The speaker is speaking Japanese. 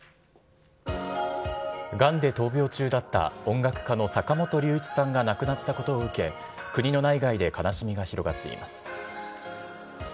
がんで闘病中だった音楽家の坂本龍一さんが亡くなったことを受け、国の内外で悲しみが広がっています。